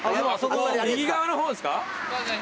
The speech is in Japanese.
右側の方ですか？